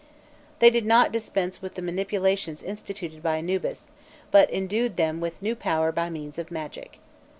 They did not dispense with the manipulations instituted by Anubis, but endued them with new power by means of magic.